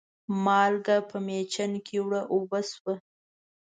مالګه په مېچن کې اوړه و اوبه شوه.